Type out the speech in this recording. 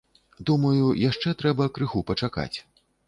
Думаю, яшчэ трэба крыху пачакаць.